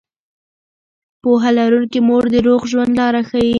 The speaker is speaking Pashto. پوهه لرونکې مور د روغ ژوند لاره ښيي.